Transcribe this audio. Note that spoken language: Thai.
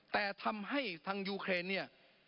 แต่ทำให้ทางยูเครนเนี่ย